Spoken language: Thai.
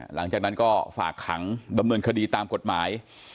หลังจากนั้นก็ฝากขังดำเนินคดีตามกฎหมาย